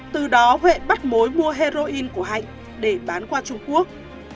từ đó huệ bắt mối mua heroin của hạnh để bán qua trung quốc